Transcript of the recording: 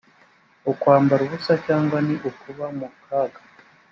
ukwambara ubusa cyangwa ni ukuba mu kaga